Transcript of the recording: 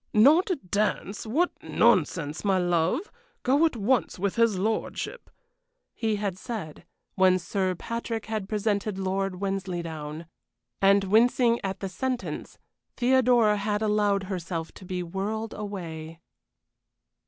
"Not dance! What nonsense, my love! Go at once with his lordship," he had said, when Sir Patrick had presented Lord Wensleydown. And wincing at the sentence, Theodora had allowed herself to be whirled away.